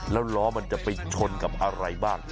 แล้วล้อมันจะไปชนกับอะไรบ้าง